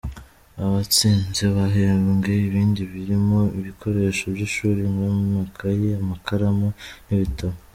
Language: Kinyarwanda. Abatsinze bahembwe ibindi birimo ibikoresho by’ishuri nk’amakaye, amakaramu n’ibitabo.